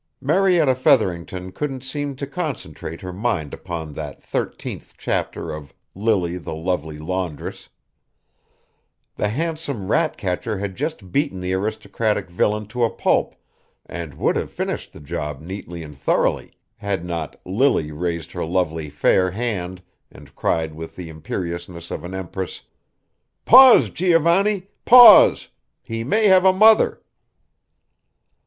Marietta Featherington couldn't seem to concentrate her mind upon that thirteenth chapter of "Lily the Lovely Laundress." The handsome rat catcher had just beaten the aristocratic villain to a pulp and would have finished the job neatly and thoroughly had not Lily raised her lovely fair hand and cried with the imperiousness of an empress: "Pause, Giovanni! Pause! He may have a mother!"